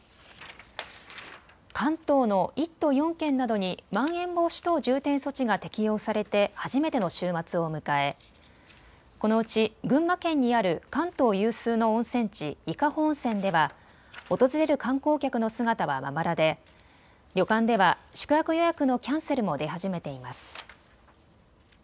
関東の１都４県などにまん延防止等重点措置が適用されて初めての週末を迎え、このうち群馬県にある関東有数の温泉地、伊香保温泉では訪れる観光客の姿はまばらで旅館では宿泊予約のキャンセルも出始めています。